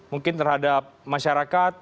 mungkin terhadap masyarakat